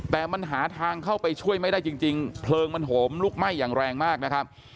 แต่มันหาทางเข้าไปช่วยไม่ได้จริงเพลิงมันโหมลุกไหม้อย่างแรงมากนะครับ